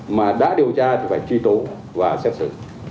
mà đã điều tra thì phải truy tố và xét xử